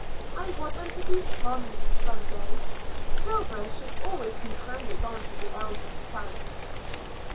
I want them to be Tom's some day. Silver should always be handed on to the eldest son."